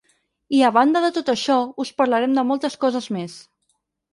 I a banda de tot això, us parlarem de moltes coses més.